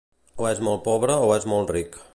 O és molt pobre o és molt ric.